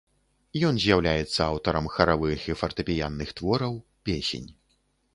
Ён з'яўляецца аўтарам харавых і фартэпіянных твораў, песень.